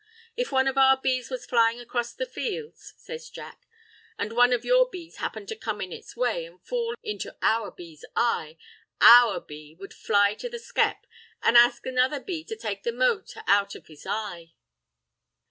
If one of our bees was flying across the fields," says Jack, "and one of your bees happened to come in its way, an' fall into our bee's eye, our bee would fly to the skep, an' ax another bee to take the mote out of his eye."